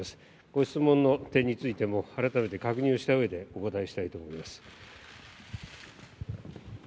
ご質問の点についても改めて確認してお答えしたいと思います。